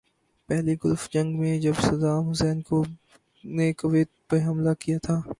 پہلی گلف جنگ میں جب صدام حسین نے کویت پہ حملہ کیا تھا۔